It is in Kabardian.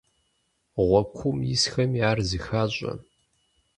Гъуэ куум исхэми ар зыхащӀэ.